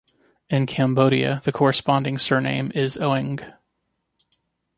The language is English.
In Cambodia, the corresponding surname is Oeng.